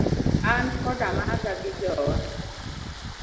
An koda maga gi jowa.